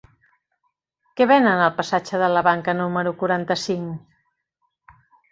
Què venen al passatge de la Banca número quaranta-cinc?